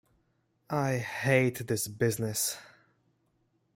I hate this business.